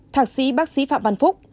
thạc sĩ bác sĩ phạm văn phúc